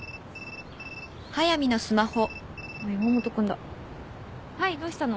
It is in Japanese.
あっ山本君だ。はいどうしたの？